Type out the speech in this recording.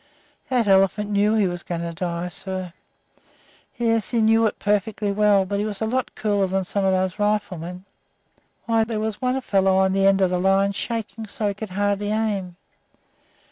That elephant knew he was going to die; yes, sir, he knew it perfectly well, but he was a lot cooler than some of those riflemen. Why, there was one fellow on the end of the line shaking so he could hardly aim.